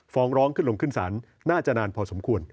ฟ้องร้องขึ้นลงขึ้นศาลน่าจะนานพอสมควร